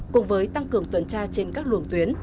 cùng với tăng cường tuần tra trên các luồng tuyến